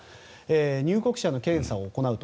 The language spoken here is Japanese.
入国者の検査を行うと。